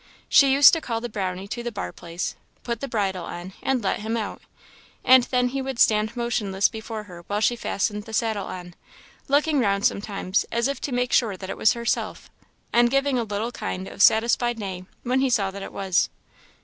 She used to call the Brownie to the bar place, put the bridle on, and let him out; and then he would stand motionless before her while she fastened the saddle on; looking round sometimes, as if to make sure that it was herself, and giving a little kind of satisfied neigh when he saw that it was.